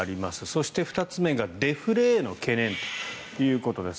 そして、２つ目がデフレへの懸念ということです。